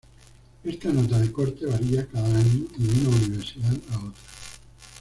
Esta nota de corte varía cada año y de una universidad a otra.